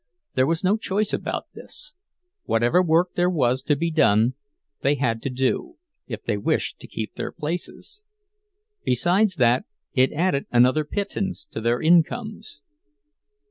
There was no choice about this—whatever work there was to be done they had to do, if they wished to keep their places; besides that, it added another pittance to their incomes.